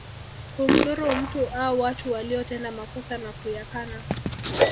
Kumdhuru mtu au watu waliotenda makosa na kuyakana